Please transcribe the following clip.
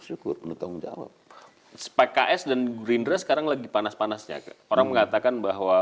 syukur menunggu jawab spek ks dan grindr sekarang lagi panas panasnya ke orang mengatakan bahwa